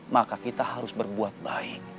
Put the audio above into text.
maka kita harus berbuat baik